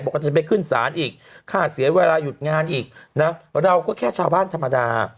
ก็จะไปขึ้นศาลอีกค่าเสียเวลาหยุดงานอีกนะเราก็แค่ชาวบ้านธรรมดา